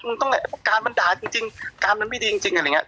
ต้องแหละการมันด่าจริงการมันไม่ดีจริงอะไรอย่างเงี้